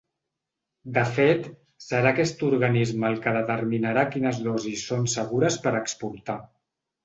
De fet, serà aquest organisme el que determinarà quines dosis són segures per exportar.